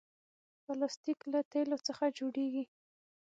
پلاستيک له تیلو څخه جوړېږي.